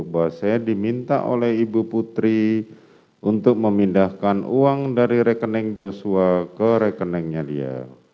bahwa saya diminta oleh ibu putri untuk memindahkan uang dari rekening joshua ke rekeningnya dia